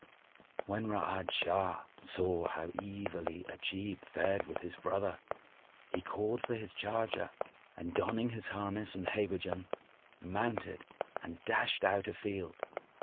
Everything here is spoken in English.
When Ra'ad Shah saw how evilly Ajib fared with his brother, he called for his charger and donning his harness and habergeon, mounted and dashed out a field.